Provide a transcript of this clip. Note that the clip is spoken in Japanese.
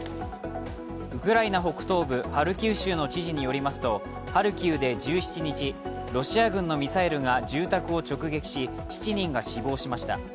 ウクライナ北東部ハルキウ州の知事によりますとハルキウで１７日、ロシア軍のミサイルが住宅を直撃し７人が死亡しました。